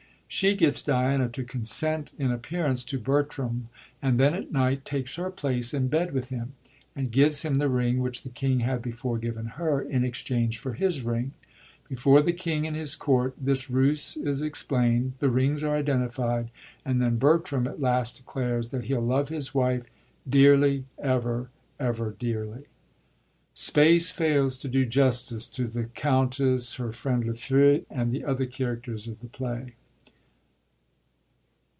She gets Diana to consent, in appearance, to Bertram, and then at night takes her place in bed with him, and gives him the ring which the king had before given her, in exchange for his ring. Before the king and his Court this ruse is explaind, the rings are identified, and then Bertram at last declares that he'll love his wife •'dearly, ever, ever dearly." Space fails to do justice to the Countess, her friend, Lafeu, and the other characters of the play.